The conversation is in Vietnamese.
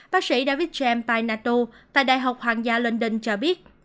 bác sĩ david j painato tại đại học hoàng gia london cho biết